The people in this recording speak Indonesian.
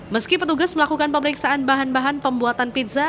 meski petugas melakukan pemeriksaan bahan bahan pembuatan pizza